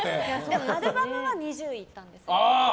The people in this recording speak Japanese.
アルバムは２０位いったんですよ。